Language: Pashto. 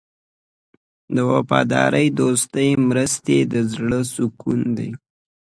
د وفادار دوست مرسته د زړه سکون ده.